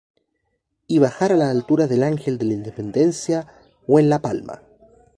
Y bajar a la altura del Ángel de la Independencia o en la Palma.